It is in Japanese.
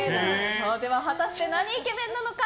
では果たしてなにイケメンなのか。